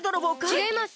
ちがいます！